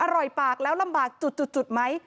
อร่อยปากแล้วลำบากจุดไหม